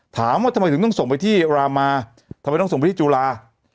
ถามว่าทำไมถึงต้องส่งไปที่รามาทำไมต้องส่งไปที่จุฬา